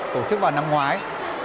tổ chức vào năm ngoái